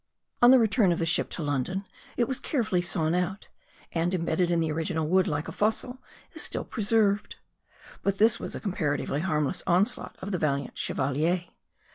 On the return of the ship to London, it was carefully sawn out ; and, imbed ded in the original wood, like a fossil, is still preserved. But this was a comparatively harmless onslaught of the valiant Chevalier.